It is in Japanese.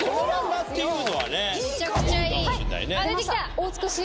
お美しい。